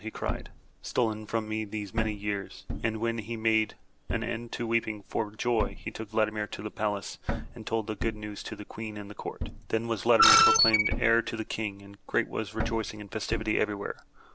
'' he cried, ''stolen from me these many years!" And when he had made an end to weeping for joy, he took Vladimir to the palace and told the good news to the Queen and the Court. Then was Vladimir proclaimed heir to the King and great was the rejoicing and festivity everywhere.